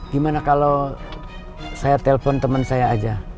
gimana kalau saya telpon teman saya aja